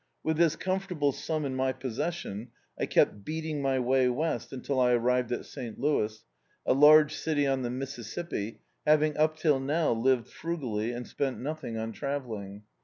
With this comfortable sum in my pos session I kept beating my way west until I arrived at St. Louis, a laige city on the Mississippi, having up till now lived frugally, and spent nodiiog on travelling.